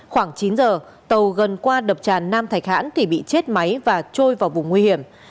khoảng chín giờ tàu gần qua đập tràn nam thạch hãn thì bị chết máy và trôi vào vùng nguy hiểm